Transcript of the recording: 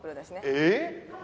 えっ！？